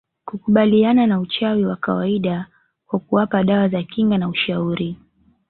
kukabiliana na uchawi wa kawaida kwa kuwapa dawa za kinga na ushauri